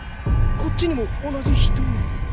こっちにも同じ人が！？